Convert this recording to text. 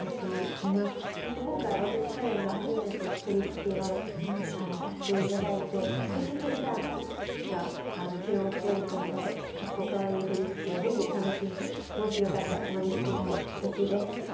そして今回私かれんが初めて振り付けをさせていただいて腰振りダンスが注目ポイントなのでカッコカワイイ振り付けをぜひ楽しんでもしよかったらまねしてみてほしいです。